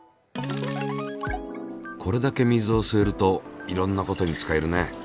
これだけ水を吸えるといろんなことに使えるね。